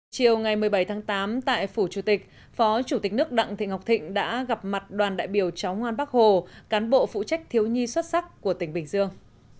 chiều ngày một mươi bảy tháng tám tại phủ chủ tịch phó chủ tịch nước đặng thị ngọc thịnh đã gặp mặt đoàn đại biểu cháu ngoan bắc hồ cán bộ phụ trách thiếu nhi xuất sắc của tỉnh bình dương